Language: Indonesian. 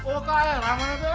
ukaerang itu eh